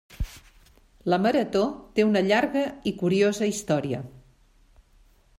La marató té una llarga i curiosa història.